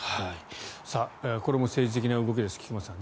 これも政治的な動きです菊間さん。